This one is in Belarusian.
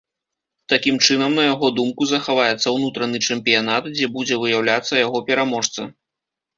Такім чынам, на яго думку, захаваецца ўнутраны чэмпіянат, дзе будзе выяўляцца яго пераможца.